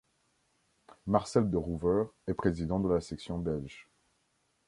Marcel de Roover est président de la section belge.